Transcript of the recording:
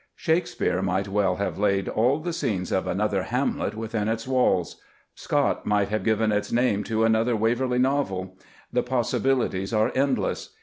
Shakespeare might well have laid all the scenes of another Hamlet within its walls; Scott might have given its name to another Waverley Novel. The possibilities are endless.